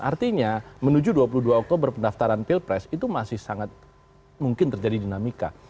artinya menuju dua puluh dua oktober pendaftaran pilpres itu masih sangat mungkin terjadi dinamika